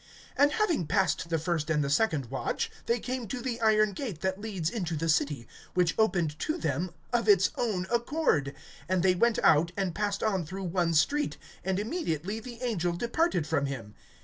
(10)And having passed the first and the second watch, they came to the iron gate that leads into the city, which opened to them of its own accord; and they went out, and passed on through one street, and immediately the angel departed from him.